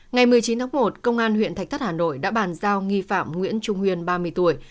ngày một mươi chín tháng một công an huyện thạch thất hà nội đã bàn giao nghi phạm nguyễn trung nguyên ba mươi tuổi